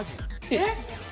えっ？